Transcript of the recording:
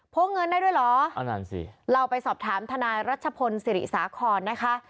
กเงินได้ด้วยเหรออันนั้นสิเราไปสอบถามทนายรัชพลศิริสาครนะคะ